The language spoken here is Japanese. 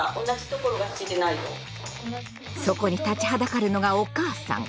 そこに立ちはだかるのがお母さん。